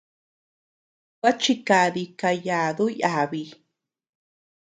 Gua chikadi kayadu yàbi.